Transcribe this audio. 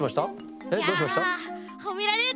えっどうしました？